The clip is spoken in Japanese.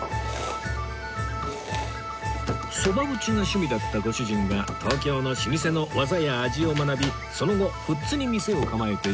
蕎麦打ちが趣味だったご主人が東京の老舗の技や味を学びその後富津に店を構えて１５年